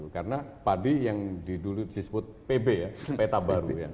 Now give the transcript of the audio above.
karena padi yang dulu disebut pb peta baru